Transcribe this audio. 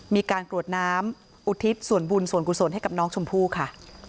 กรวดน้ำอุทิศส่วนบุญส่วนกุศลให้กับน้องชมพู่ค่ะ